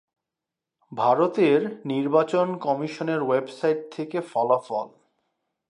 ভারতের নির্বাচন কমিশনের ওয়েবসাইট থেকে ফলাফল।